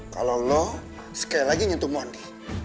kalau lo sekali lagi nyentuh money